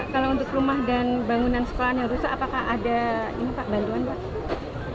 kalau untuk rumah dan bangunan sekolahan yang rusak apakah ada ini pak bantuan pak